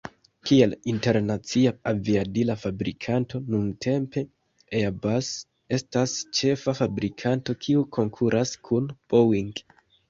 Kiel internacia aviadila fabrikanto, nuntempe Airbus estas ĉefa fabrikanto, kiu konkuras kun Boeing.